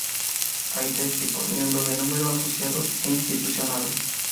Hay tres tipos: Miembros de número, asociados e institucionales.